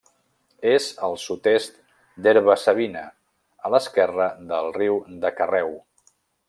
És al sud-est d'Herba-savina, a l'esquerra del riu de Carreu.